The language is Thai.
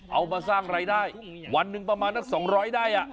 เอามาสร้างอะไรได้วันนึงประมาณ๒๐๐ได้